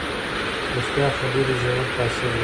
ریښتیا خبرې ژور تاثیر لري.